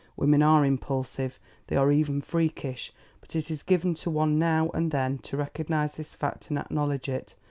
Women are impulsive; they are even freakish. But it is given to one now and then to recognise this fact and acknowledge it.